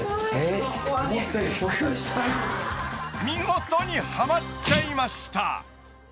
［見事にはまっちゃいました］